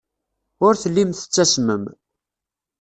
Ur tellim tettasmem.